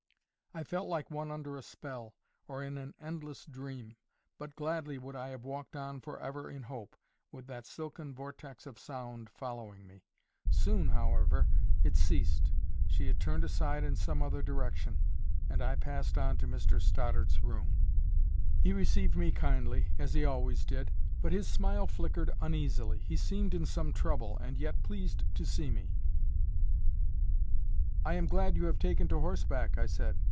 I felt like one under a spell, or in an endless dream; but gladly would I have walked on for ever in hope, with that silken vortex of sound following me. Soon, however, it ceased. She had turned aside in some other direction, and I passed on to Mr Stoddart's room. He received me kindly, as he always did; but his smile flickered uneasily. He seemed in some trouble, and yet pleased to see me. "I am glad you have taken to horseback," I said.